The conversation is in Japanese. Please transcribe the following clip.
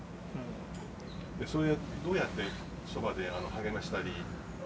どうやってそばで励ましたり。